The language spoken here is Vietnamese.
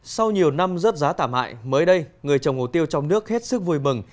sau nhiều năm rớt giá tạm hại mới đây người trồng hồ tiêu trong nước hết sức vui mừng